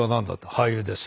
「俳優です」。